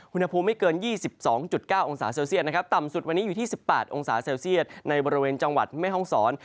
อุณหภูมิไม่เกิน๒๒๙องศาเซลเซียตนะครับต่ำสุดวันนี้อยู่ที่๑๘องศาเซลเซียตในบริเวณจังหวัดแม่ห้องศร